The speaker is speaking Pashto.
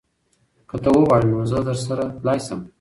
که ته وغواړې نو زه درسره تلی شم.